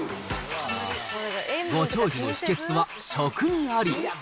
ご長寿の秘けつは食にあり。